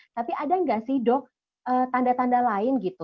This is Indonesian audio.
tapi ada nggak sih dok tanda tanda lain gitu